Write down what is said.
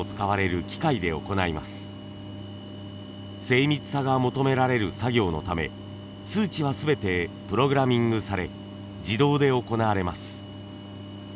精密さが求められる作業のため数値は全てプログラミングされ自動で行われます。